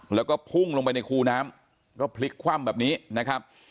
แล้วก็พุ่งลงไปในคูน้ำก็พลิกคว่ำแบบนี้นะครับ